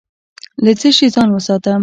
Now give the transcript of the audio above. له څه شي ځان وساتم؟